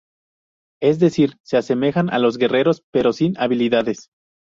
Es decir, se asemejan a los Guerreros, pero sin habilidades.